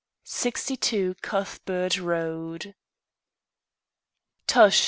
XVI 62 CUTHBERT ROAD Tush!